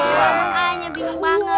wah nyabil banget